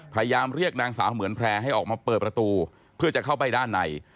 พยายามเรียกนางสาวเหมือนแพร่ให้ออกมาเปิดประตูเพื่อจะเข้าไปด้านใน